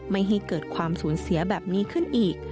ไม่ให้เกิดความสูญเสียแบบนี้ขึ้นอีก